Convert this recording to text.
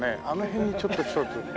あの辺にちょっと１つ。